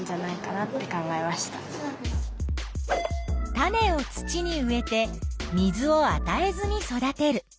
種を土に植えて水をあたえずに育てる。